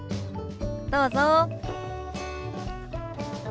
どうぞ。